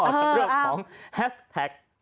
ทั้งเรื่องของแฮชแท็ก